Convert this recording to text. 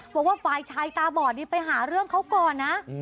บอกว่าฝ่ายชายตาบอดนี่ไปหาเรื่องเขาก่อนนะ